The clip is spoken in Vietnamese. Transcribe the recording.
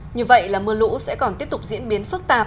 như vậy là mưa lũ sẽ còn tiếp tục diễn biến phức tạp